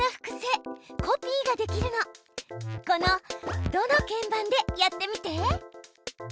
この「ド」の鍵盤でやってみて！